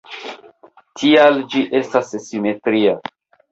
Tial ĝi estas simetria.